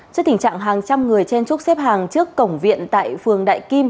trước tình trạng hàng trăm người chen trúc xếp hàng trước cổng viện tại phường đại kim